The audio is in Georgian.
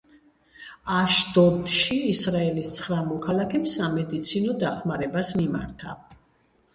აშდოდში ისრაელის ცხრა მოქალაქემ სამედიცინო დახმარებას მიმართა.